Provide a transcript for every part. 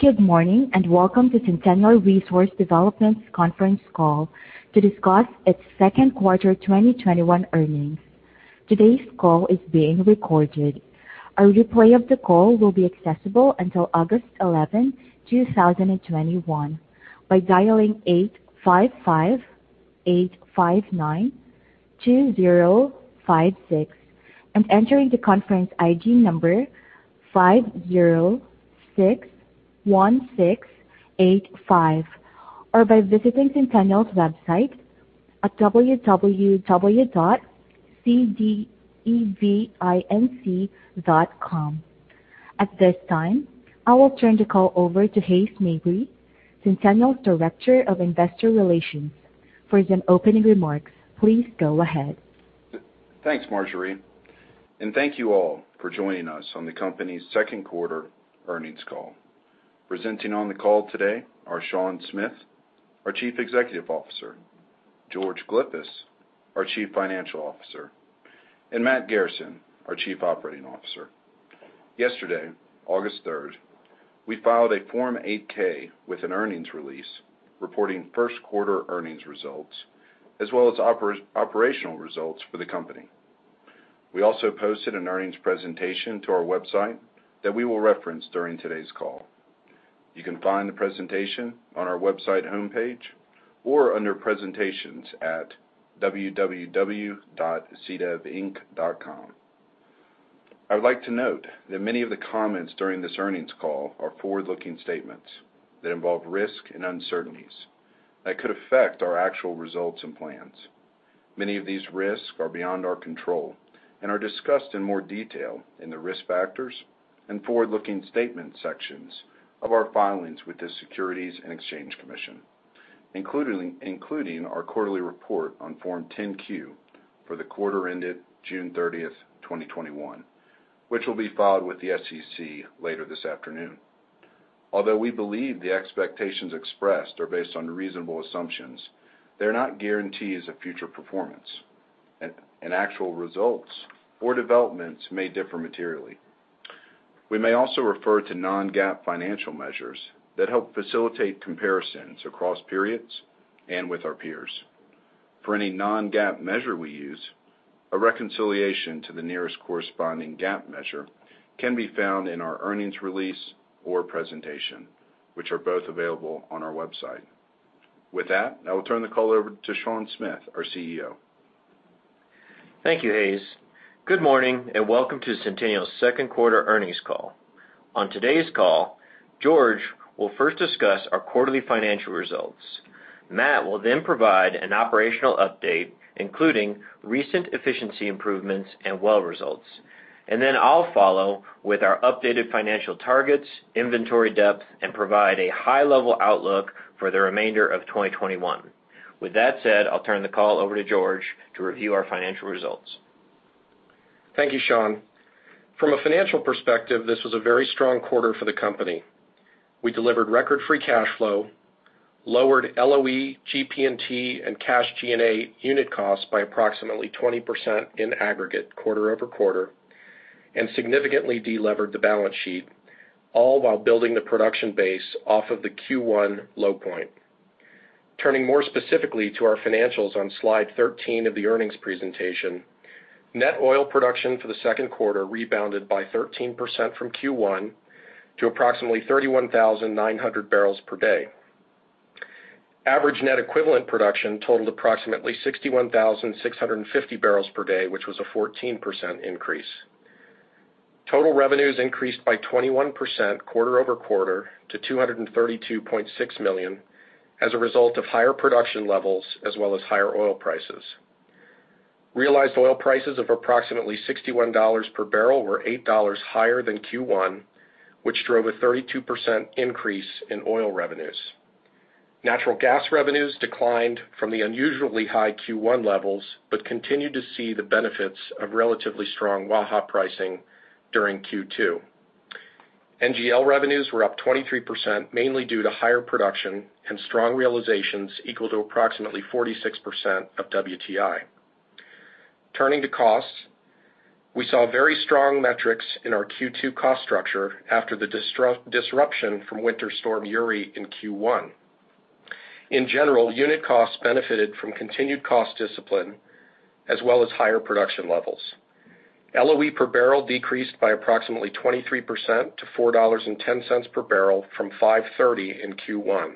Good morning, and welcome to Centennial Resource Development's conference call to discuss its second quarter 2021 earnings. Today's call is being recorded. A replay of the call will be accessible until August 11, 2021, by dialing 855-859-2056 and entering the conference ID number 5061685, or by visiting Centennial's website at www.cdevinc.com. At this time, I will turn the call over to Hays Mabry, Centennial's Director of Investor Relations, for his opening remarks. Please go ahead. Thanks, Marjorie. Thank you all for joining us on the company's second quarter earnings call. Presenting on the call today are Sean Smith, our Chief Executive Officer, George Glyphis, our Chief Financial Officer, and Matt Garrison, our Chief Operating Officer. Yesterday, August 3rd, we filed a Form 8-K with an earnings release reporting first quarter earnings results, as well as operational results for the company. We also posted an earnings presentation to our website that we will reference during today's call. You can find the presentation on our website homepage or under presentations at www.cdevinc.com. I would like to note that many of the comments during this earnings call are forward-looking statements that involve risk and uncertainties that could affect our actual results and plans. Many of these risks are beyond our control and are discussed in more detail in the risk factors and forward-looking statement sections of our filings with the Securities and Exchange Commission, including our quarterly report on Form 10-Q for the quarter ended June 30th, 2021, which will be filed with the SEC later this afternoon. Although we believe the expectations expressed are based on reasonable assumptions, they're not guarantees of future performance, and actual results or developments may differ materially. We may also refer to non-GAAP financial measures that help facilitate comparisons across periods and with our peers. For any non-GAAP measure we use, a reconciliation to the nearest corresponding GAAP measure can be found in our earnings release or presentation, which are both available on our website. With that, I will turn the call over to Sean Smith, our CEO. Thank you, Hays. Good morning and welcome to Centennial's second quarter earnings call. On today's call, George will first discuss our quarterly financial results. Matt will provide an operational update, including recent efficiency improvements and well results. I'll follow with our updated financial targets, inventory depth, and provide a high-level outlook for the remainder of 2021. With that said, I'll turn the call over to George to review our financial results. Thank you, Sean. From a financial perspective, this was a very strong quarter for the company. We delivered record free cash flow, lowered LOE, GP&T, and cash G&A unit costs by approximately 20% in aggregate quarter-over-quarter, and significantly de-levered the balance sheet, all while building the production base off of the Q1 low point. Turning more specifically to our financials on slide 13 of the earnings presentation, net oil production for the second quarter rebounded by 13% from Q1 to approximately 31,900 bbl per day. Average net equivalent production totaled approximately 61,650 bbl per day, which was a 14% increase. Total revenues increased by 21% quarter-over-quarter to $232.6 million as a result of higher production levels as well as higher oil prices. Realized oil prices of approximately $61 per barrel were $8 higher than Q1, which drove a 32% increase in oil revenues. Natural gas revenues declined from the unusually high Q1 levels, but continued to see the benefits of relatively strong Waha pricing during Q2. NGL revenues were up 23%, mainly due to higher production and strong realizations equal to approximately 46% of WTI. Turning to costs, we saw very strong metrics in our Q2 cost structure after the disruption from Winter Storm Uri in Q1. In general, unit costs benefited from continued cost discipline as well as higher production levels. LOE per barrel decreased by approximately 23% to $4.10 per barrel from $5.30 in Q1.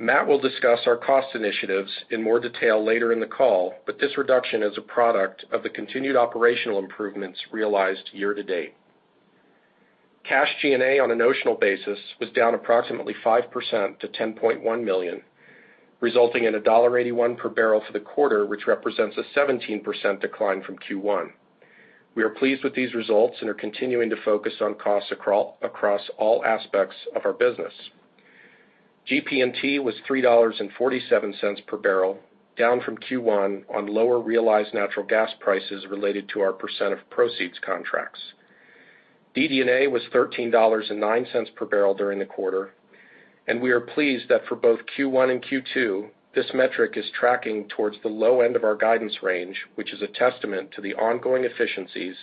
Matt will discuss our cost initiatives in more detail later in the call, but this reduction is a product of the continued operational improvements realized year to date. Cash G&A on a notional basis was down approximately 5% to $10.1 million, resulting in $1.81 per barrel for the quarter, which represents a 17% decline from Q1. We are pleased with these results and are continuing to focus on costs across all aspects of our business. GP&T was $3.47 per barrel, down from Q1 on lower realized natural gas prices related to our percent of proceeds contracts. DD&A was $13.09 per barrel during the quarter. We are pleased that for both Q1 and Q2, this metric is tracking towards the low end of our guidance range, which is a testament to the ongoing efficiencies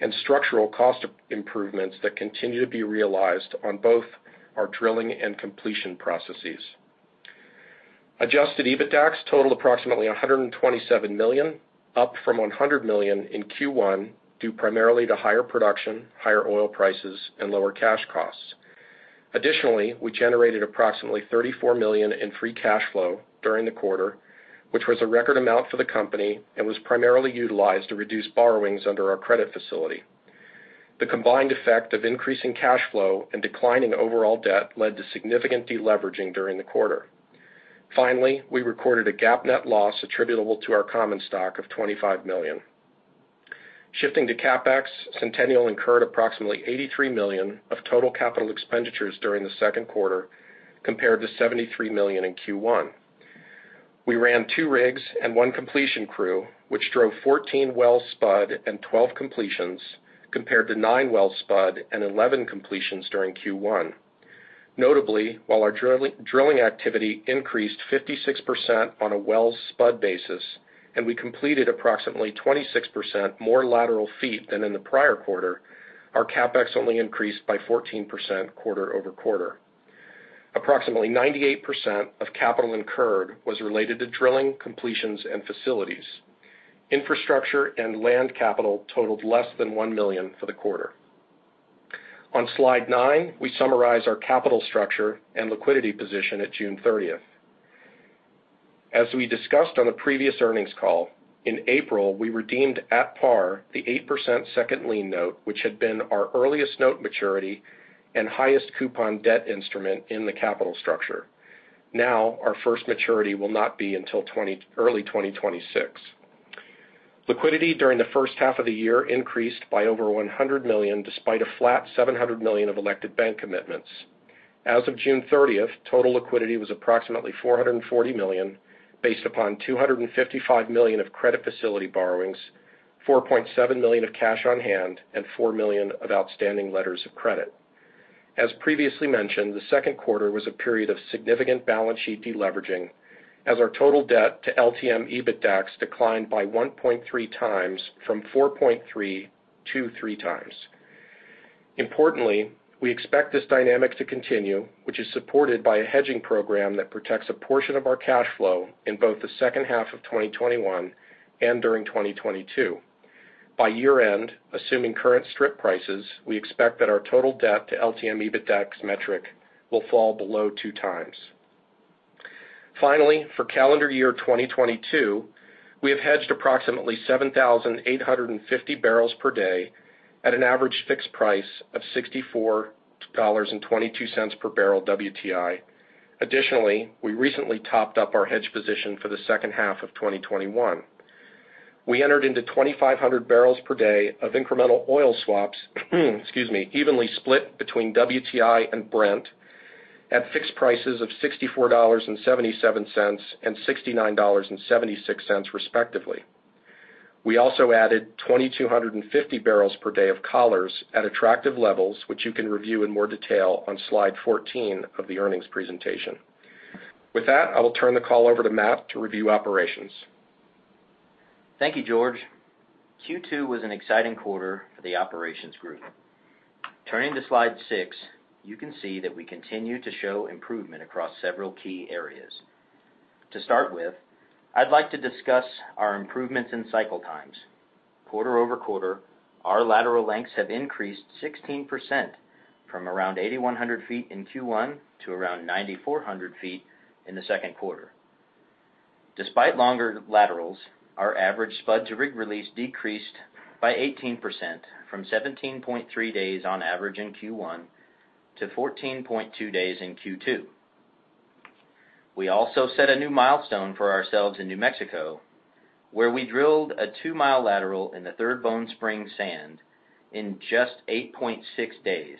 and structural cost improvements that continue to be realized on both our drilling and completion processes. Adjusted EBITDAX totaled approximately $127 million, up from $100 million in Q1, due primarily to higher production, higher oil prices, and lower cash costs. Additionally, we generated approximately $34 million in free cash flow during the quarter, which was a record amount for the company and was primarily utilized to reduce borrowings under our credit facility. The combined effect of increasing cash flow and declining overall debt led to significant deleveraging during the quarter. Finally, we recorded a GAAP net loss attributable to our common stock of $25 million. Shifting to CapEx, Centennial incurred approximately $83 million of total capital expenditures during the second quarter, compared to $73 million in Q1. We ran two rigs and one completion crew, which drove 14 well spud and 12 completions, compared to nine well spud and 11 completions during Q1. Notably, while our drilling activity increased 56% on a well spud basis, and we completed approximately 26% more lateral feet than in the prior quarter, our CapEx only increased by 14% quarter-over-quarter. Approximately 98% of capital incurred was related to drilling, completions, and facilities. Infrastructure and land capital totaled less than $1 million for the quarter. On slide nine, we summarize our capital structure and liquidity position at June 30th. As we discussed on the previous earnings call, in April, we redeemed at par the 8% second lien note, which had been our earliest note maturity and highest coupon debt instrument in the capital structure. Now our first maturity will not be until early 2026. Liquidity during the first half of the year increased by over $100 million, despite a flat $700 million of elected bank commitments. As of June 30th, total liquidity was approximately $440 million, based upon $255 million of credit facility borrowings, $4.7 million of cash on hand, and $4 million of outstanding letters of credit. As previously mentioned, the second quarter was a period of significant balance sheet deleveraging, as our total debt to LTM EBITDAX declined by 1.3x from 4.3x to 3x. Importantly, we expect this dynamic to continue, which is supported by a hedging program that protects a portion of our cash flow in both the second half of 2021 and during 2022. By year-end, assuming current strip prices, we expect that our total debt to LTM EBITDAX metric will fall below 2x. Finally, for calendar year 2022, we have hedged approximately 7,850 bbl per day at an average fixed price of $64.22 per barrel WTI. Additionally, we recently topped up our hedge position for the second half of 2021. We entered into 2,500 bbl per day of incremental oil swaps evenly split between WTI and Brent at fixed prices of $64.77 and $69.76, respectively. We also added 2,250 bbl per day of collars at attractive levels, which you can review in more detail on slide 14 of the earnings presentation. With that, I will turn the call over to Matt to review operations. Thank you, George. Q2 was an exciting quarter for the operations group. Turning to slide six, you can see that we continue to show improvement across several key areas. To start with, I'd like to discuss our improvements in cycle times. quarter-over-quarter, our lateral lengths have increased 16% from around 8,100 ft in Q1 to around 9,400 ft in the second quarter. Despite longer laterals, our average spud to rig release decreased by 18%, from 17.3 days on average in Q1 to 14.2 days in Q2. We also set a new milestone for ourselves in New Mexico, where we drilled a 2-mi lateral in the Third Bone Spring Sand in just 8.6 days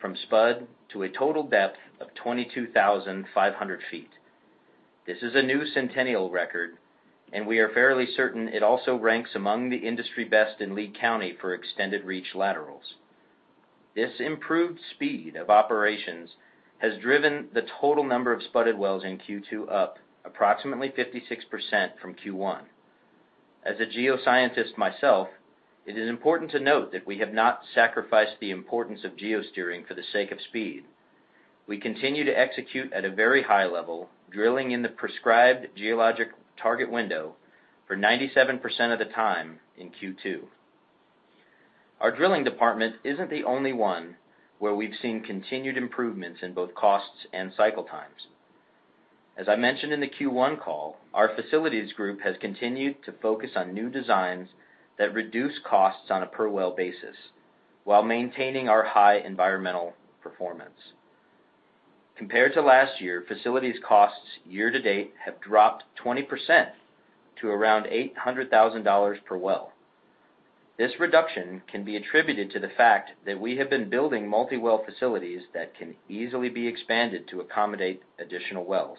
from spud to a total depth of 22,500 ft. This is a new Centennial record, and we are fairly certain it also ranks among the industry best in Lea County for extended reach laterals. This improved speed of operations has driven the total number of spudded wells in Q2 up approximately 56% from Q1. As a geoscientist myself, it is important to note that we have not sacrificed the importance of geosteering for the sake of speed. We continue to execute at a very high level, drilling in the prescribed geologic target window for 97% of the time in Q2. Our drilling department isn't the only one where we've seen continued improvements in both costs and cycle times. As I mentioned in the Q1 call, our facilities group has continued to focus on new designs that reduce costs on a per-well basis while maintaining our high environmental performance. Compared to last year, facilities costs year to date have dropped 20% to around $800,000 per well. This reduction can be attributed to the fact that we have been building multi-well facilities that can easily be expanded to accommodate additional wells.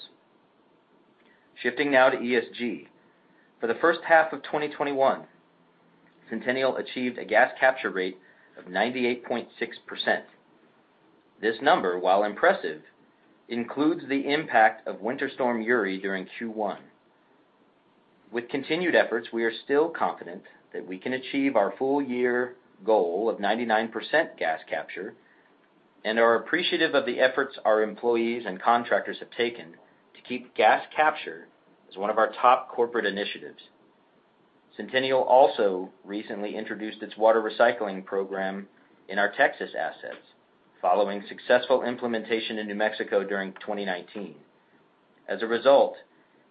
Shifting now to ESG. For the first half of 2021, Centennial achieved a gas capture rate of 98.6%. This number, while impressive, includes the impact of Winter Storm Uri during Q1. With continued efforts, we are still confident that we can achieve our full year goal of 99% gas capture, and are appreciative of the efforts our employees and contractors have taken to keep gas capture as one of our top corporate initiatives. Centennial also recently introduced its water recycling program in our Texas assets following successful implementation in New Mexico during 2019. As a result,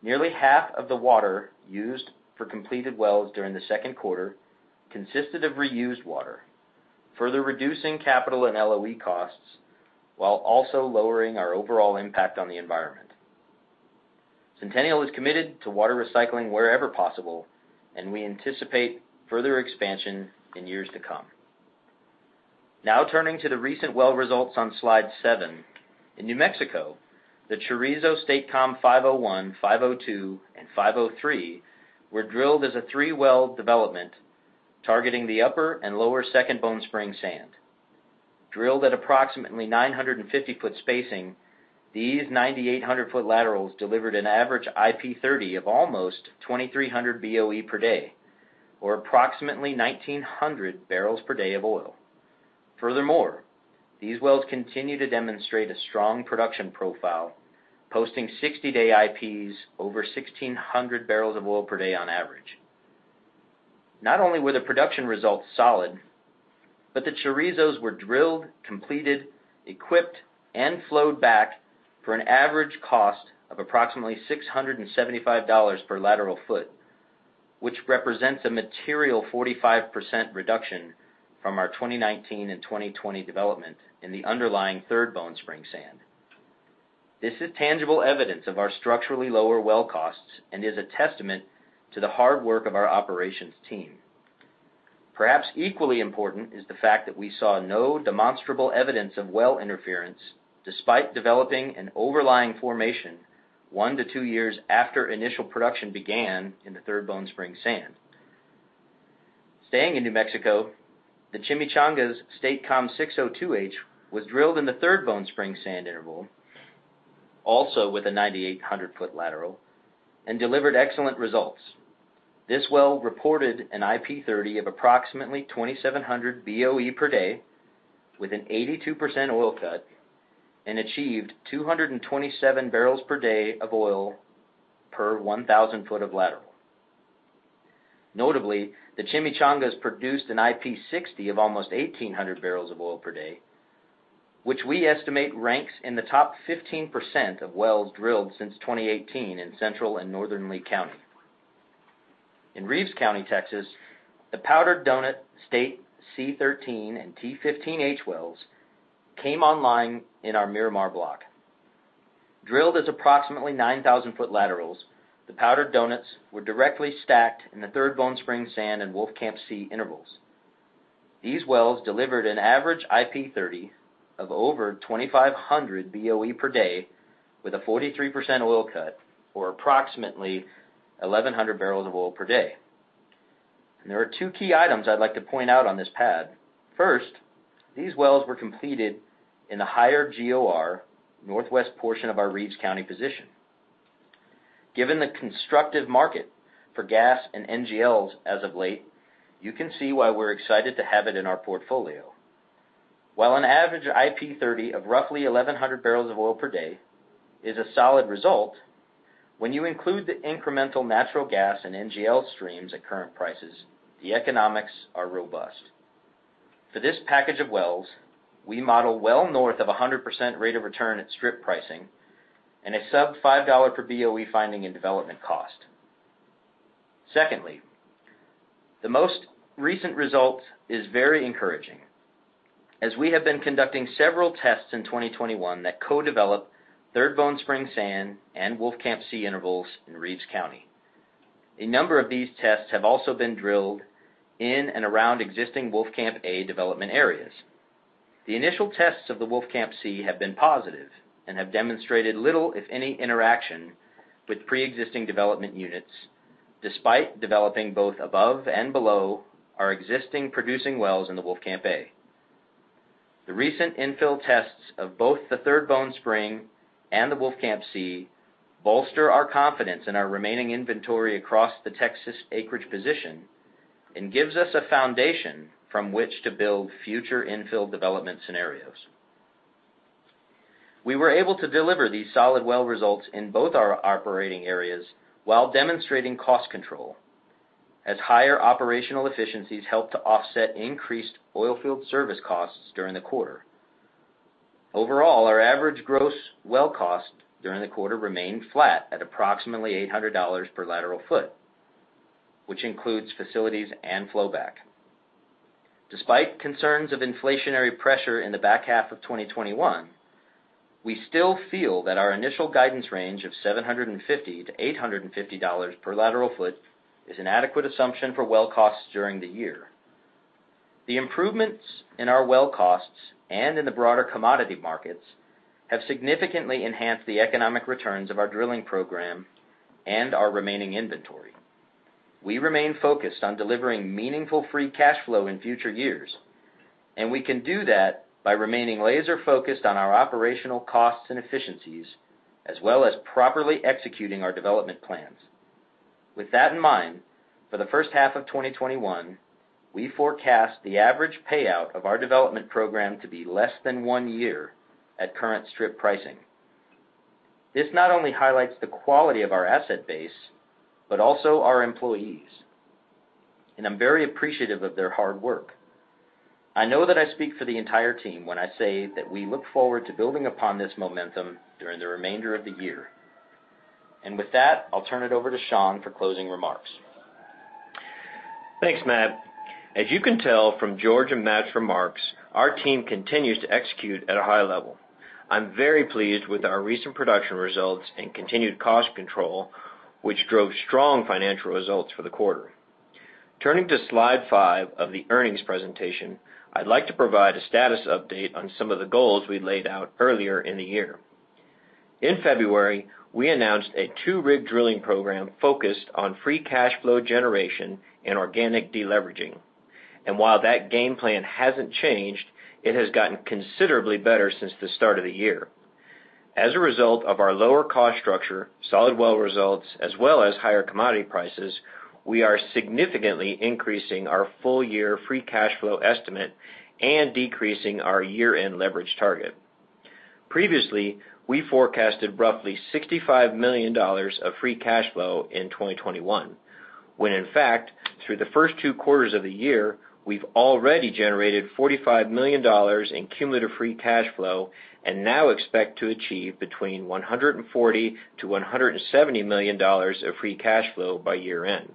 nearly half of the water used for completed wells during the second quarter consisted of reused water, further reducing capital and LOE costs while also lowering our overall impact on the environment. Centennial is committed to water recycling wherever possible, and we anticipate further expansion in years to come. Turning to the recent well results on slide seven. In New Mexico, the Chorizo State Com 501, 502, and 503 were drilled as a three-well development targeting the Upper and Lower Second Bone Spring sand. Drilled at approximately 950-ft spacing, these 9,800-ft laterals delivered an average IP 30 of almost 2,300 BOE per day, or approximately 1,900 bbl per day of oil. These wells continue to demonstrate a strong production profile, posting 60-day IPs over 1,600 bbl of oil per day on average. Not only were the production results solid, but the Chorizos were drilled, completed, equipped, and flowed back for an average cost of approximately $675 per lateral foot, which represents a material 45% reduction from our 2019 and 2020 development in the underlying Third Bone Spring Sand. This is tangible evidence of our structurally lower well costs and is a testament to the hard work of our operations team. Perhaps equally important is the fact that we saw no demonstrable evidence of well interference despite developing an overlying formation one to two years after initial production began in the Third Bone Spring Sand. Staying in New Mexico, the Chimichangas State Com 602H was drilled in the Third Bone Spring Sand interval, also with a 9,800 ft lateral, and delivered excellent results. This well reported an IP 30 of approximately 2,700 BOE per day with an 82% oil cut and achieved 227 bbl per day of oil per 1,000 ft of lateral. Notably, the Chimichangas produced an IP 60 of almost 1,800 bbl of oil per day, which we estimate ranks in the top 15% of wells drilled since 2018 in Central and Northern Lea County. In Reeves County, Texas, the Powdered Donut State C13 and T15H wells came online in our Miramar Block. Drilled as approximately 9,000 ft laterals, the Powder Donuts were directly stacked in the Third Bone Spring Sand and Wolfcamp C intervals. These wells delivered an average IP 30 of over 2,500 BOE per day with a 43% oil cut, or approximately 1,100 bbl of oil per day. There are two key items I'd like to point out on this pad. These wells were completed in the higher GOR northwest portion of our Reeves County position. Given the constructive market for gas and NGLs as of late, you can see why we're excited to have it in our portfolio. While an average IP 30 of roughly 1,100 bbl of oil per day is a solid result, when you include the incremental natural gas and NGL streams at current prices, the economics are robust. For this package of wells, we model well north of 100% rate of return at strip pricing and a sub $5 per BOE finding and development cost. The most recent result is very encouraging, as we have been conducting several tests in 2021 that co-develop Third Bone Spring Sand and Wolfcamp C intervals in Reeves County. A number of these tests have also been drilled in and around existing Wolfcamp A development areas. The initial tests of the Wolfcamp C have been positive and have demonstrated little, if any, interaction with preexisting development units, despite developing both above and below our existing producing wells in the Wolfcamp A. The recent infill tests of both the Third Bone Spring and the Wolfcamp C bolster our confidence in our remaining inventory across the Texas acreage position and gives us a foundation from which to build future infill development scenarios. We were able to deliver these solid well results in both our operating areas while demonstrating cost control, as higher operational efficiencies helped to offset increased oil field service costs during the quarter. Overall, our average gross well cost during the quarter remained flat at approximately $800 per lateral foot, which includes facilities and flowback. Despite concerns of inflationary pressure in the back half of 2021, we still feel that our initial guidance range of $750-$850 per lateral foot is an adequate assumption for well costs during the year. The improvements in our well costs and in the broader commodity markets have significantly enhanced the economic returns of our drilling program and our remaining inventory. We remain focused on delivering meaningful free cash flow in future years, and we can do that by remaining laser-focused on our operational costs and efficiencies, as well as properly executing our development plans. With that in mind, for the first half of 2021, we forecast the average payout of our development program to be less than one year at current strip pricing. This not only highlights the quality of our asset base, but also our employees, and I'm very appreciative of their hard work. I know that I speak for the entire team when I say that we look forward to building upon this momentum during the remainder of the year. With that, I'll turn it over to Sean for closing remarks. Thanks, Matt. As you can tell from George and Matt's remarks, our team continues to execute at a high level. I'm very pleased with our recent production results and continued cost control, which drove strong financial results for the quarter. Turning to slide five of the earnings presentation, I'd like to provide a status update on some of the goals we laid out earlier in the year. In February, we announced a two-rig drilling program focused on free cash flow generation and organic deleveraging. While that game plan hasn't changed, it has gotten considerably better since the start of the year. As a result of our lower cost structure, solid well results, as well as higher commodity prices, we are significantly increasing our full year free cash flow estimate and decreasing our year-end leverage target. Previously, we forecasted roughly $65 million of free cash flow in 2021, when in fact, through the first two quarters of the year, we've already generated $45 million in cumulative free cash flow and now expect to achieve between $140 million-$170 million of free cash flow by year-end.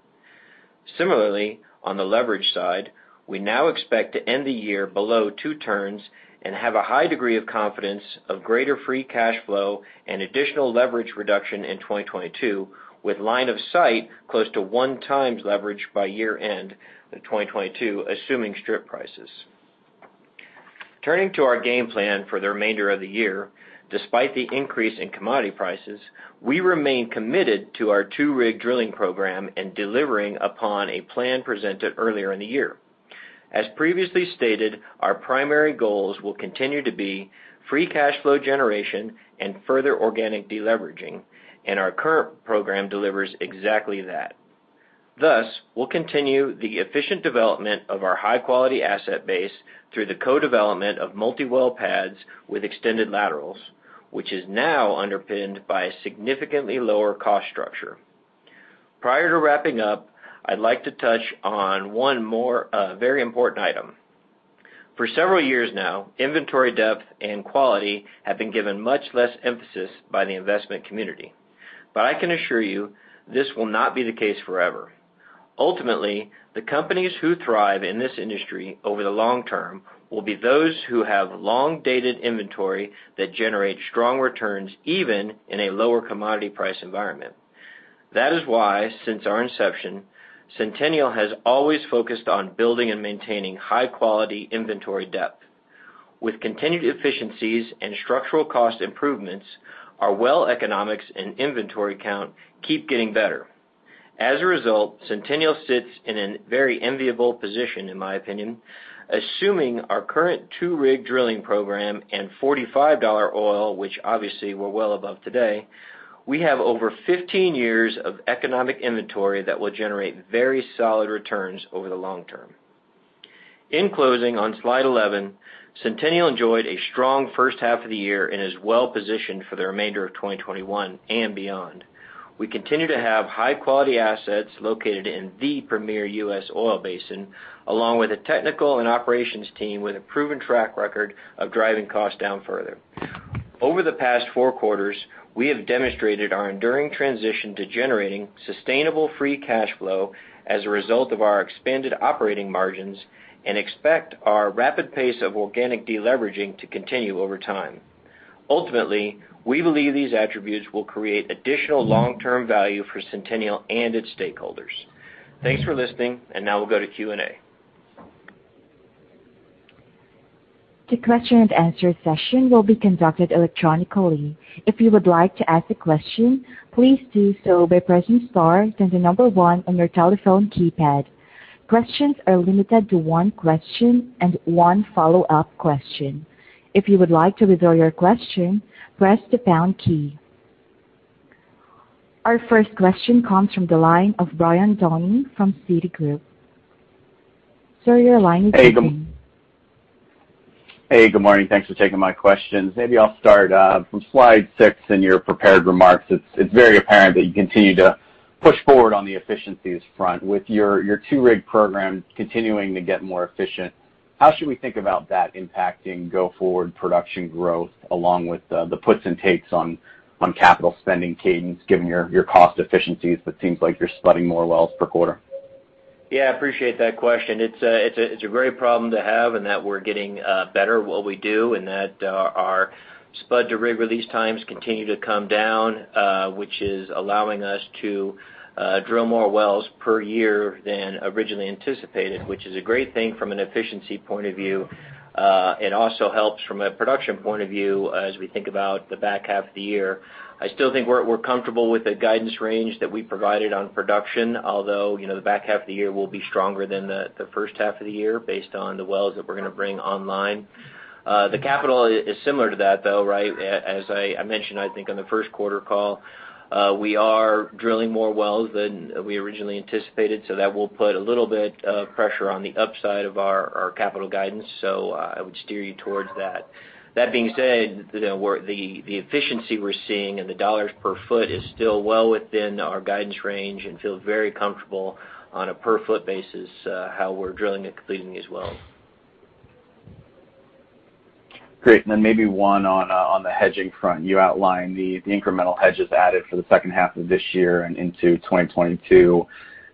Similarly, on the leverage side, we now expect to end the year below two turns and have a high degree of confidence of greater free cash flow and additional leverage reduction in 2022, with line of sight close to 1x leverage by year-end in 2022, assuming strip prices. Turning to our game plan for the remainder of the year, despite the increase in commodity prices, we remain committed to our two-rig drilling program and delivering upon a plan presented earlier in the year. As previously stated, our primary goals will continue to be free cash flow generation and further organic deleveraging. Our current program delivers exactly that. We'll continue the efficient development of our high-quality asset base through the co-development of multi-well pads with extended laterals, which is now underpinned by a significantly lower cost structure. Prior to wrapping up, I'd like to touch on one more very important item. For several years now, inventory depth and quality have been given much less emphasis by the investment community. I can assure you this will not be the case forever. Ultimately, the companies who thrive in this industry over the long term will be those who have long-dated inventory that generates strong returns, even in a lower commodity price environment. That is why, since our inception, Centennial has always focused on building and maintaining high-quality inventory depth. With continued efficiencies and structural cost improvements, our well economics and inventory count keep getting better. As a result, Centennial sits in a very enviable position, in my opinion. Assuming our current two-rig drilling program and $45 oil, which obviously we're well above today, we have over 15 years of economic inventory that will generate very solid returns over the long term. In closing, on slide 11, Centennial enjoyed a strong first half of the year and is well-positioned for the remainder of 2021 and beyond. We continue to have high-quality assets located in the premier U.S. oil basin, along with a technical and operations team with a proven track record of driving costs down further. Over the past four quarters, we have demonstrated our enduring transition to generating sustainable free cash flow as a result of our expanded operating margins and expect our rapid pace of organic deleveraging to continue over time. Ultimately, we believe these attributes will create additional long-term value for Centennial and its stakeholders. Thanks for listening. Now we'll go to Q&A. The question and answer session will be conducted electronically. If you would like to ask a question, please do so by pressing star, then the number one on your telephone keypad. Questions are limited to one question and one follow-up question. If you would like to withdraw your question, press the pound key. Our first question comes from the line of Brian Downey from Citigroup. Sir, your line is open. Hey, good morning. Thanks for taking my questions. Maybe I'll start from slide six in your prepared remarks. It's very apparent that you continue to push forward on the efficiencies front with your two-rig program continuing to get more efficient. How should we think about that impacting go-forward production growth, along with the puts and takes on capital spending cadence, given your cost efficiencies, but seems like you're spotting more wells per quarter? Yeah, appreciate that question. It's a great problem to have and that we're getting better at what we do, and that our spud to rig release times continue to come down, which is allowing us to drill more wells per year than originally anticipated, which is a great thing from an efficiency point of view. It also helps from a production point of view as we think about the back half of the year. I still think we're comfortable with the guidance range that we provided on production, although the back half of the year will be stronger than the first half of the year based on the wells that we're going to bring online. The capital is similar to that, though. As I mentioned, I think on the first quarter call, we are drilling more wells than we originally anticipated, so that will put a little bit of pressure on the upside of our capital guidance. I would steer you towards that. That being said, the efficiency we're seeing and the dollars per foot is still well within our guidance range and feel very comfortable on a per foot basis how we're drilling and completing these wells. Great. Then maybe one on the hedging front. You outlined the incremental hedges added for the second half of this year and into 2022,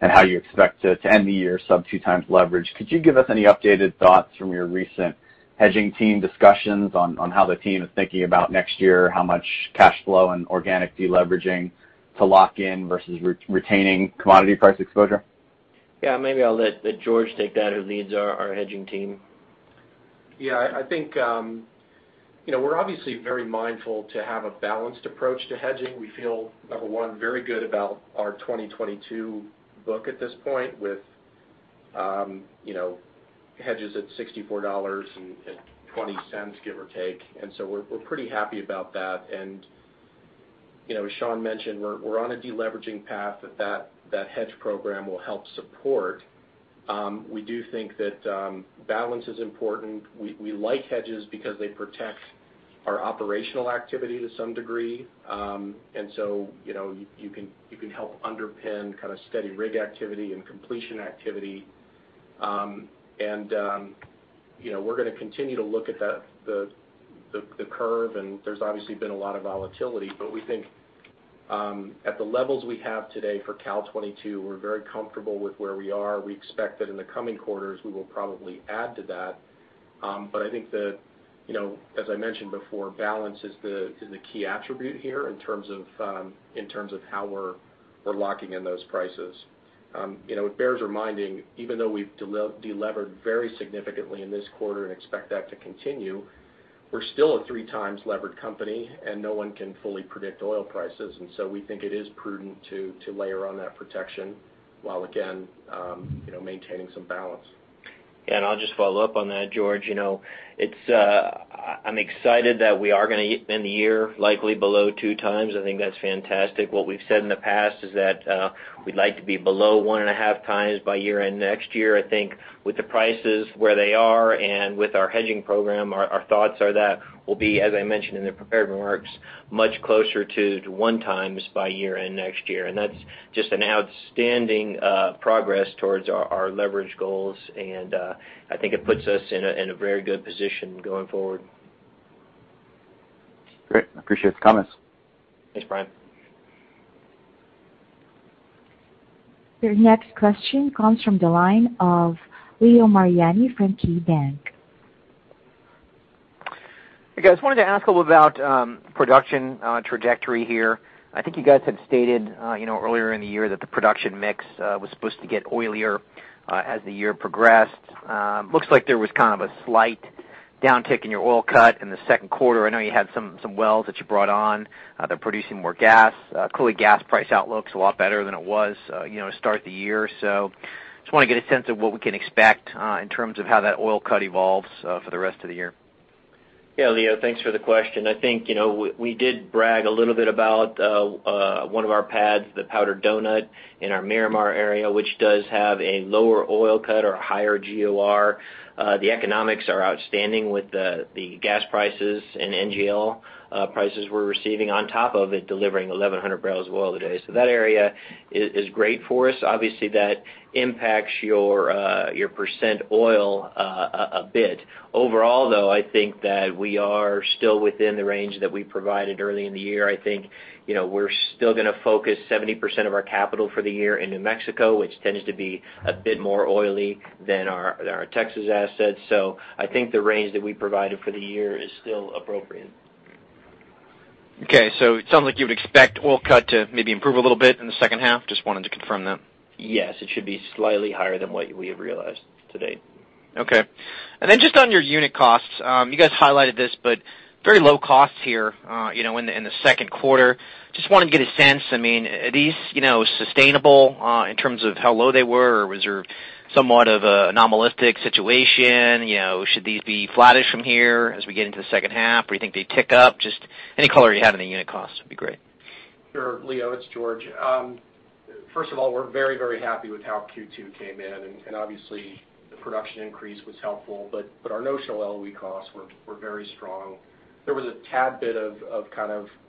and how you expect to end the year sub 2x leverage. Could you give us any updated thoughts from your recent hedging team discussions on how the team is thinking about next year? How much cash flow and organic deleveraging to lock in versus retaining commodity price exposure? Maybe I'll let George take that, who leads our hedging team. Yeah, I think, we're obviously very mindful to have a balanced approach to hedging. We feel, number one, very good about our 2022 book at this point with hedges at $64.20, give or take. We're pretty happy about that. As Sean mentioned, we're on a deleveraging path that hedge program will help support. We do think that balance is important. We like hedges because they protect our operational activity to some degree. You can help underpin steady rig activity and completion activity. We're going to continue to look at the curve, and there's obviously been a lot of volatility, but we think at the levels we have today for Cal 2022, we're very comfortable with where we are. We expect that in the coming quarters, we will probably add to that. I think that, as I mentioned before, balance is the key attribute here in terms of how we're locking in those prices. It bears reminding, even though we've delevered very significantly in this quarter and expect that to continue, we're still a three times levered company, and no one can fully predict oil prices. We think it is prudent to layer on that protection while again maintaining some balance. I'll just follow up on that, George. I'm excited that we are going to end the year likely below 2x. I think that's fantastic. What we've said in the past is that we'd like to be below 1.5x by year-end next year. I think with the prices where they are and with our hedging program, our thoughts are that we'll be, as I mentioned in the prepared remarks, much closer to 1 time by year-end next year. That's just an outstanding progress towards our leverage goals, and I think it puts us in a very good position going forward. Great. Appreciate the comments. Thanks, Brian. Your next question comes from the line of Leo Mariani from KeyBanc. Hey, guys. Wanted to ask a little about production trajectory here. I think you guys had stated earlier in the year that the production mix was supposed to get oilier as the year progressed. Looks like there was kind of a slight downtick in your oil cut in the second quarter. I know you had some wells that you brought on. They're producing more gas. Clearly, gas price outlook's a lot better than it was start of the year. Just want to get a sense of what we can expect in terms of how that oil cut evolves for the rest of the year. Leo, thanks for the question. I think, we did brag a little bit about one of our pads, the Powdered Donut in our Miramar area, which does have a lower oil cut or a higher GOR. The economics are outstanding with the gas prices and NGL prices we're receiving on top of it delivering 1,100 bbl of oil a day. That area is great for us. Obviously, that impacts your percent oil a bit. Overall, though, I think that we are still within the range that we provided early in the year. I think we're still going to focus 70% of our capital for the year in New Mexico, which tends to be a bit more oily than our Texas assets. I think the range that we provided for the year is still appropriate. Okay. It sounds like you would expect oil cut to maybe improve a little bit in the second half. Just wanted to confirm that. Yes. It should be slightly higher than what we have realized to date. Okay. Just on your unit costs, you guys highlighted this, but very low costs here in the second quarter. Just wanted to get a sense, are these sustainable in terms of how low they were or was there somewhat of an anomalistic situation? Should these be flattish from here as we get into the second half? You think they tick up? Just any color you have on the unit costs would be great. Sure, Leo, it's George. First of all, we're very happy with how Q2 came in, and obviously the production increase was helpful, but our notional LOE costs were very strong. There was a tad bit of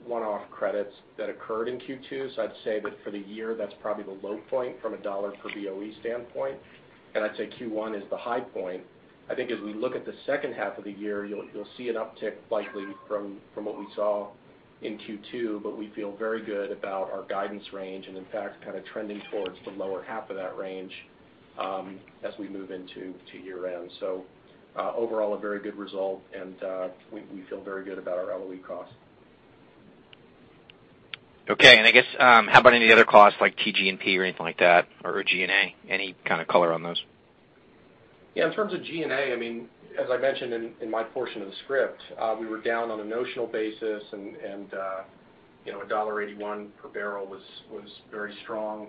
1-off credits that occurred in Q2, so I'd say that for the year, that's probably the low point from a dollar per BOE standpoint, and I'd say Q1 is the high point. I think as we look at the second half of the year, you'll see an uptick likely from what we saw in Q2, but we feel very good about our guidance range, and in fact, kind of trending towards the lower half of that range as we move into year end. Overall, a very good result, and we feel very good about our LOE cost. Okay. I guess, how about any other costs like GP&T or anything like that? G&A, any kind of color on those? Yeah. In terms of G&A, as I mentioned in my portion of the script, we were down on a notional basis, and $1.81 per barrel was very strong.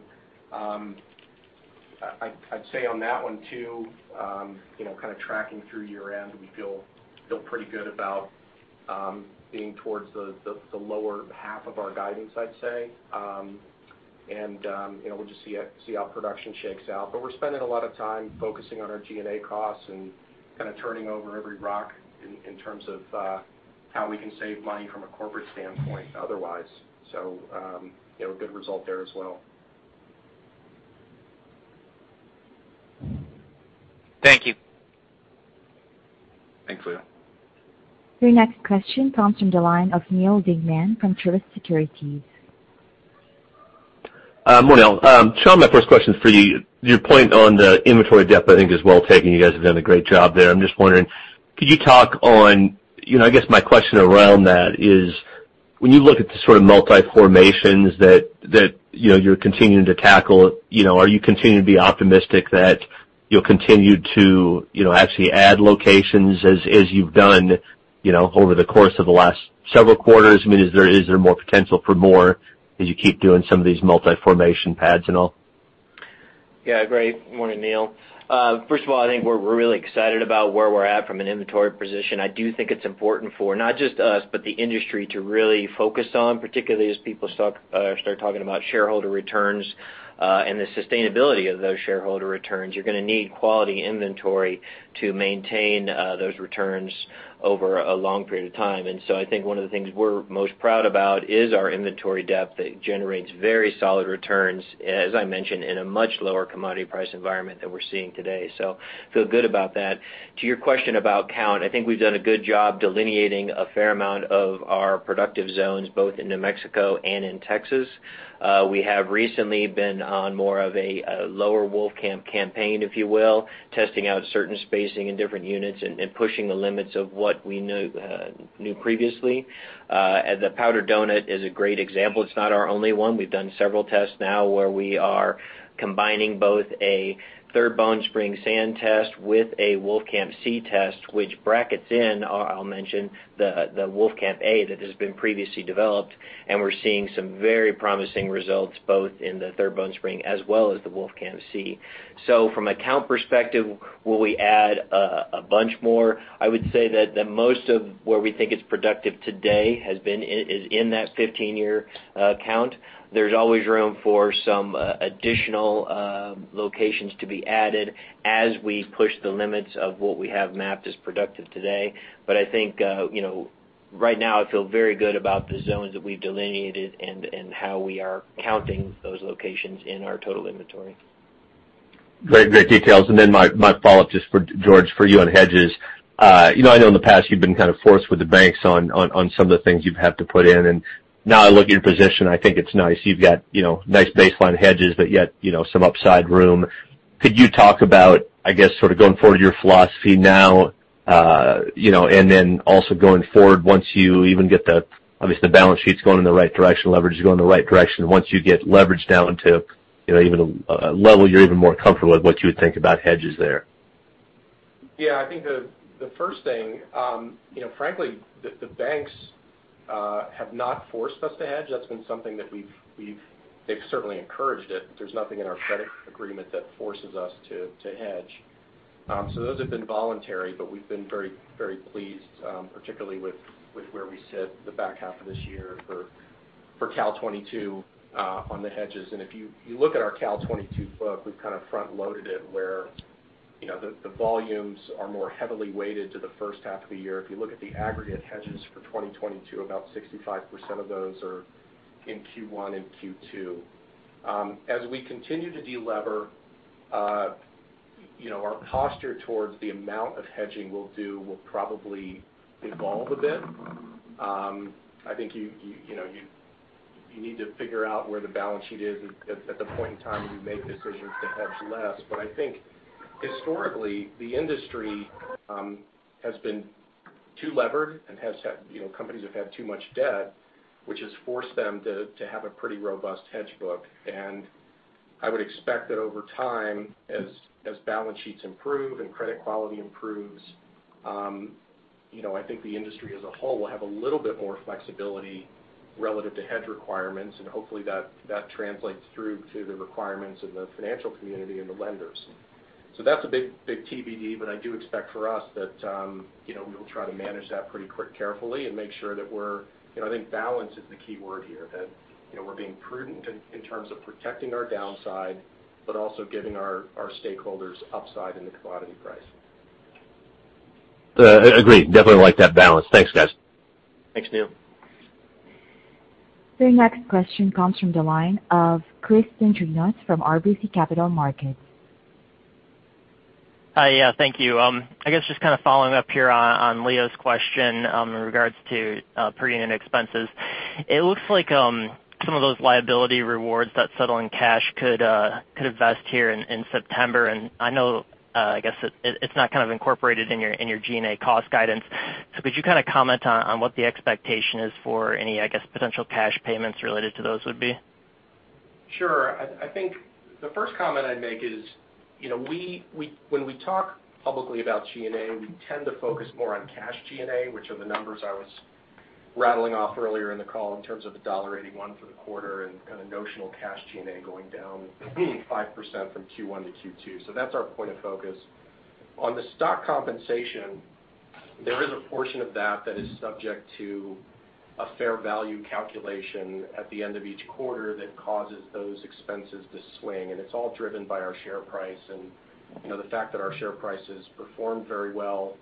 I'd say on that one too, tracking through year end, we feel pretty good about being towards the lower half of our guidance, I'd say. We'll just see how production shakes out. We're spending a lot of time focusing on our G&A costs and turning over every rock in terms of how we can save money from a corporate standpoint, otherwise. A good result there as well. Thank you. Thanks, Leo. Your next question comes from the line of Neal Dingmann from Truist Securities. Good morning, all. Sean, my first question is for you. Your point on the inventory depth I think is well taken. You guys have done a great job there. I'm just wondering, I guess my question around that is, when you look at the sort of multi-formations that you're continuing to tackle, are you continuing to be optimistic that you'll continue to actually add locations as you've done over the course of the last several quarters? I mean, is there more potential for more as you keep doing some of these multi-formation pads and all? Yeah, great. Morning, Neal. I think we're really excited about where we're at from an inventory position. I do think it's important for not just us, but the industry to really focus on, particularly as people start talking about shareholder returns, and the sustainability of those shareholder returns. You're going to need quality inventory to maintain those returns over a long period of time. I think one of the things we're most proud about is our inventory depth that generates very solid returns, as I mentioned, in a much lower commodity price environment than we're seeing today. Feel good about that. To your question about count, I think we've done a good job delineating a fair amount of our productive zones, both in New Mexico and in Texas. We have recently been on more of a lower Wolfcamp campaign, if you will, testing out certain spacing in different units and pushing the limits of what we knew previously. The Powdered Donut is a great example. It's not our only one. We've done several tests now where we are combining both a Third Bone Spring Sand test with a Wolfcamp C test, which brackets in, I'll mention, the Wolfcamp A that has been previously developed, and we're seeing some very promising results both in the Third Bone Spring as well as the Wolfcamp C. From a count perspective, will we add a bunch more? I would say that most of where we think it's productive today is in that 15-year count. There's always room for some additional locations to be added as we push the limits of what we have mapped as productive today. I think, right now I feel very good about the zones that we've delineated and how we are counting those locations in our total inventory. Great details. Then my follow-up, just for George, for you on hedges. I know in the past you've been kind of forced with the banks on some of the things you've had to put in, and now I look at your position, I think it's nice. You've got nice baseline hedges, but yet some upside room. Could you talk about, I guess, sort of going forward, your philosophy now, and then also going forward once you even get obviously the balance sheet's going in the right direction, leverage is going in the right direction. Once you get leverage down to even a level you're even more comfortable with, what you would think about hedges there? I think the first thing, frankly, the banks have not forced us to hedge. That's been something that they've certainly encouraged it. There's nothing in our credit agreement that forces us to hedge. Those have been voluntary, but we've been very pleased, particularly with where we sit the back half of this year for Cal 2022 on the hedges. If you look at our Cal 2022 book, we've kind of front-loaded it where the volumes are more heavily weighted to the first half of the year. If you look at the aggregate hedges for 2022, about 65% of those are in Q1 and Q2. As we continue to de-lever, our posture towards the amount of hedging we'll do will probably evolve a bit. I think you need to figure out where the balance sheet is at the point in time when you make decisions to hedge less. I think historically, the industry has been too levered and companies have had too much debt, which has forced them to have a pretty robust hedge book. I would expect that over time, as balance sheets improve and credit quality improves, I think the industry as a whole will have a little bit more flexibility relative to hedge requirements. Hopefully that translates through to the requirements of the financial community and the lenders. That's a big TBD, I do expect for us that we will try to manage that pretty carefully and make sure that, I think balance is the key word here, we're being prudent in terms of protecting our downside, but also giving our stakeholders upside in the commodity price. Agreed. Definitely like that balance. Thanks, guys. Thanks, Neal. Your next question comes from the line of Chris Dendrinos from RBC Capital Markets. Hi. Yeah, thank you. I guess just kind of following up here on Leo's question in regards to pre-unit expenses. It looks like some of those liability rewards that settle in cash could vest here in September, and I know it's not kind of incorporated in your G&A cost guidance. Could you comment on what the expectation is for any, I guess, potential cash payments related to those would be? Sure. I think the first comment I'd make is, when we talk publicly about G&A, we tend to focus more on cash G&A, which are the numbers I was rattling off earlier in the call in terms of $1.81 for the quarter and kind of notional cash G&A going down 5% from Q1 to Q2. That's our point of focus. On the stock compensation, there is a portion of that that is subject to a fair value calculation at the end of each quarter that causes those expenses to swing, and it's all driven by our share price. The fact that our share price has performed very well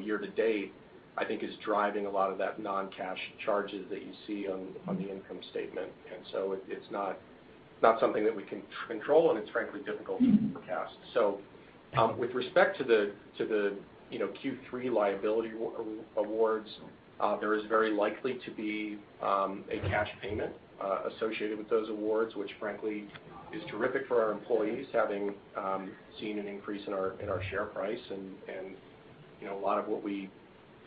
year to date, I think is driving a lot of that non-cash charges that you see on the income statement. It's not something that we can control, and it's frankly difficult to forecast. With respect to the Q3 liability awards, there is very likely to be a cash payment associated with those awards, which frankly is terrific for our employees, having seen an increase in our share price. A lot of what we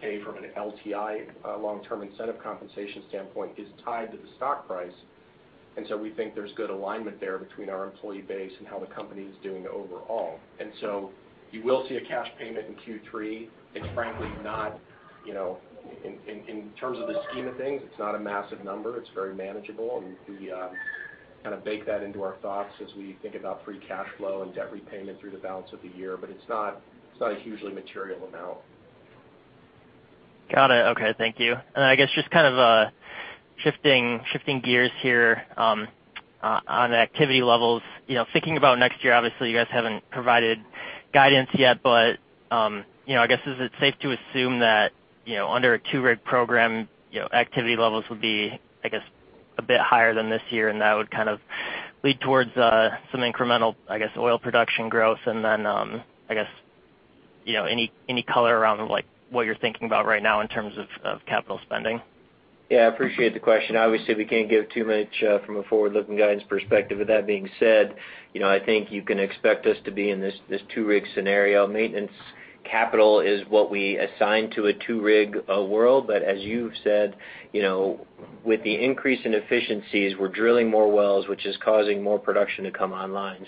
pay from an LTI, long-term incentive compensation standpoint is tied to the stock price. We think there's good alignment there between our employee base and how the company is doing overall. You will see a cash payment in Q3. It's frankly not, in terms of the scheme of things, it's not a massive number. It's very manageable, and we kind of bake that into our thoughts as we think about free cash flow and debt repayment through the balance of the year. It's not a hugely material amount. Got it. Okay. Thank you. I guess just kind of shifting gears here on activity levels. Thinking about next year, obviously, you guys haven't provided guidance yet, but, I guess, is it safe to assume that under a two-rig program, activity levels would be a bit higher than this year, and that would kind of lead towards some incremental oil production growth? Any color around what you're thinking about right now in terms of capital spending? I appreciate the question. Obviously, we can't give too much from a forward-looking guidance perspective. With that being said, I think you can expect us to be in this two-rig scenario. Maintenance capital is what we assign to a two-rig world. As you've said, with the increase in efficiencies, we're drilling more wells, which is causing more production to come online.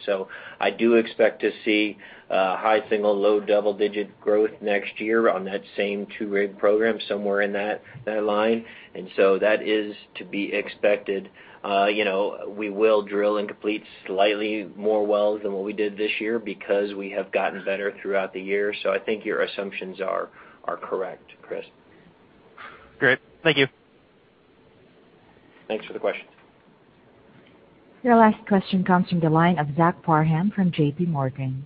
I do expect to see high single, low double-digit growth next year on that same two-rig program, somewhere in that line. That is to be expected. We will drill and complete slightly more wells than what we did this year because we have gotten better throughout the year. I think your assumptions are correct, Chris. Great. Thank you. Thanks for the question. Your last question comes from the line of Zach Parham from JPMorgan.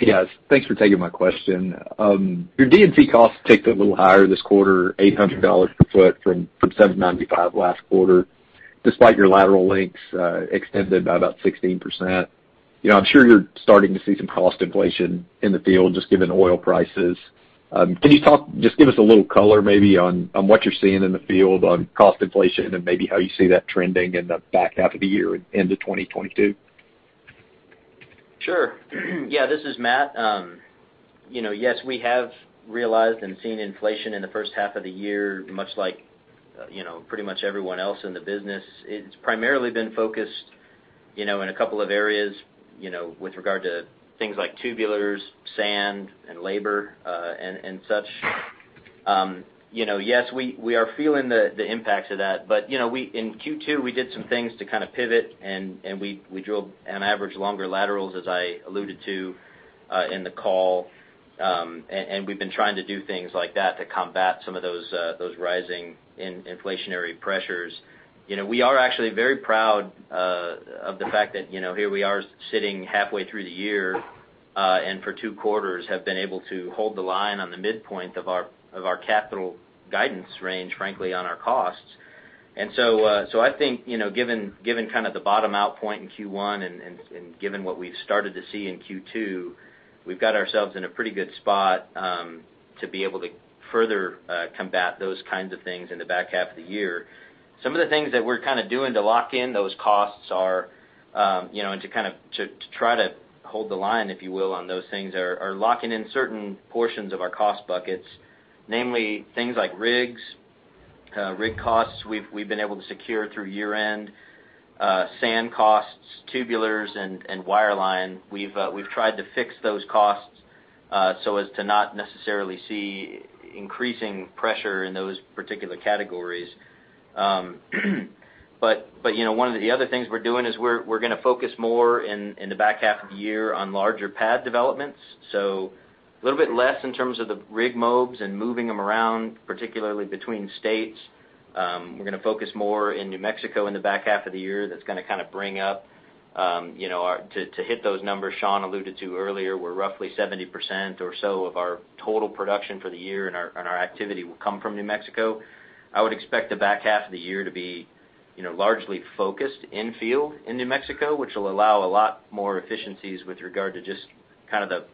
Yes, thanks for taking my question. Your D&C costs ticked up a little higher this quarter, $800 per foot from $795 last quarter, despite your lateral lengths extended by about 16%. I'm sure you're starting to see some cost inflation in the field, just given oil prices. Just give us a little color maybe on what you're seeing in the field on cost inflation and maybe how you see that trending in the back half of the year into 2022? Sure. Yeah, this is Matt. Yes, we have realized and seen inflation in the first half of the year, much like pretty much everyone else in the business. It's primarily been focused in a couple of areas with regard to things like tubulars, sand, and labor, and such. Yes, we are feeling the impacts of that. In Q2, we did some things to kind of pivot, and we drilled on average longer laterals, as I alluded to in the call. We've been trying to do things like that to combat some of those rising inflationary pressures. We are actually very proud of the fact that here we are sitting halfway through the year, and for two quarters have been able to hold the line on the midpoint of our capital guidance range, frankly, on our costs. I think, given kind of the bottom-out point in Q1 and given what we've started to see in Q2, we've got ourselves in a pretty good spot to be able to further combat those kinds of things in the back half of the year. Some of the things that we're kind of doing to lock in those costs are to try to hold the line, if you will, on those things are locking in certain portions of our cost buckets. Namely things like rigs, rig costs we've been able to secure through year-end, sand costs, tubulars, and wireline. We've tried to fix those costs so as to not necessarily see increasing pressure in those particular categories. One of the other things we're doing is we're going to focus more in the back half of the year on larger pad developments. A little bit less in terms of the rig moves and moving them around, particularly between states. We're going to focus more in New Mexico in the back half of the year. That's going to kind of bring up to hit those numbers Sean alluded to earlier, where roughly 70% or so of our total production for the year and our activity will come from New Mexico. I would expect the back half of the year to be largely focused in field in New Mexico, which will allow a lot more efficiencies with regard to just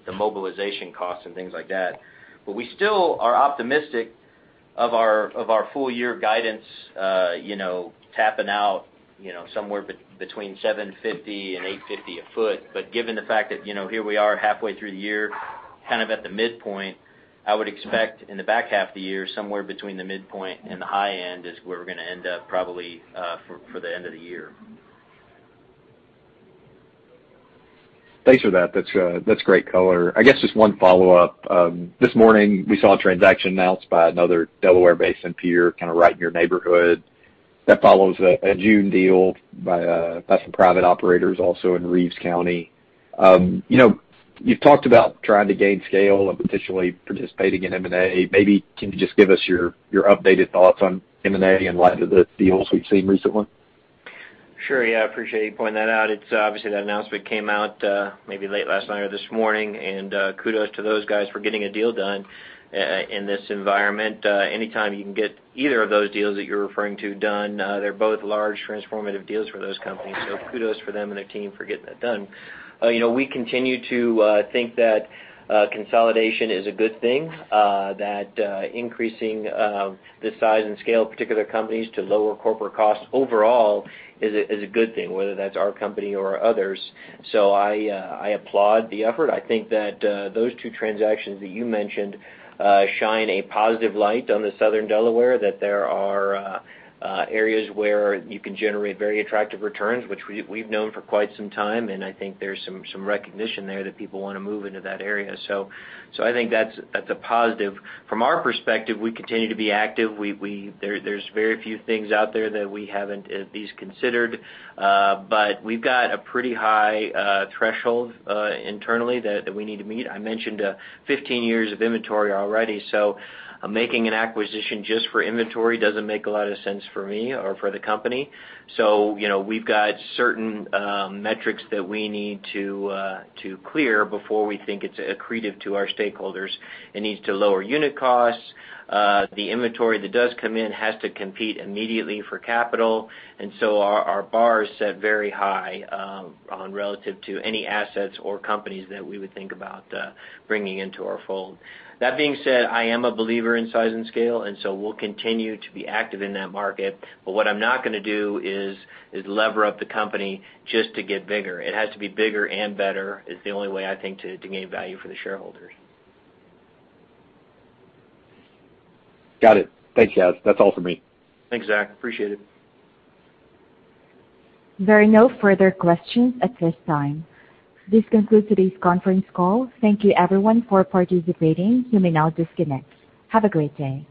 the mobilization costs and things like that. We still are optimistic of our full year guidance, tapping out, somewhere between $750-$850 a foot. Given the fact that, here we are halfway through the year, at the midpoint, I would expect in the back half of the year, somewhere between the midpoint and the high end is where we're going to end up probably, for the end of the year. Thanks for that. That's great color. I guess just one follow-up. This morning, we saw a transaction announced by another Delaware Basin peer, right in your neighborhood that follows a June deal by some private operators also in Reeves County. You've talked about trying to gain scale and potentially participating in M&A. Maybe can you just give us your updated thoughts on M&A in light of the deals we've seen recently? Sure. Yeah. I appreciate you pointing that out. Obviously, that announcement came out, maybe late last night or this morning, kudos to those guys for getting a deal done, in this environment. Anytime you can get either of those deals that you're referring to done, they're both large transformative deals for those companies. Kudos to them and their team for getting that done. We continue to think that consolidation is a good thing, that increasing the size and scale of particular companies to lower corporate costs overall is a good thing, whether that's our company or others. I applaud the effort. I think that those two transactions that you mentioned shine a positive light on the Southern Delaware, that there are areas where you can generate very attractive returns, which we've known for quite some time. I think there's some recognition there that people want to move into that area. I think that's a positive. From our perspective, we continue to be active. There's very few things out there that we haven't at least considered. We've got a pretty high threshold internally that we need to meet. I mentioned 15 years of inventory already, making an acquisition just for inventory doesn't make a lot of sense for me or for the company. We've got certain metrics that we need to clear before we think it's accretive to our stakeholders. It needs to lower unit costs. The inventory that does come in has to compete immediately for capital. Our bar is set very high on relative to any assets or companies that we would think about bringing into our fold. That being said, I am a believer in size and scale, we'll continue to be active in that market. What I'm not going to do is lever up the company just to get bigger. It has to be bigger and better, is the only way I think to gain value for the shareholders. Got it. Thanks, guys. That's all for me. Thanks, Zach. Appreciate it. There are no further questions at this time. This concludes today's conference call. Thank you everyone for participating. You may now disconnect. Have a great day.